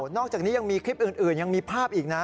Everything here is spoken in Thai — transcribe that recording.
อกจากนี้ยังมีคลิปอื่นยังมีภาพอีกนะ